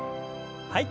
はい。